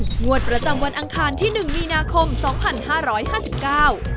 งวดประจำวันอังคารที่หนึ่งมีนาคมสองพันห้าร้อยห้าสิบเก้า